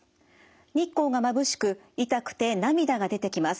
日光がまぶしく痛くて涙が出てきます。